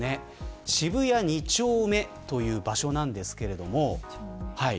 渋谷２丁目という場所なんですけれども。